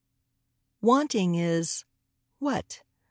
'" WANTING IS WHAT?